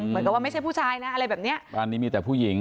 เหมือนกับว่าไม่ใช่ผู้ชายนะอะไรแบบเนี้ยบ้านนี้มีแต่ผู้หญิง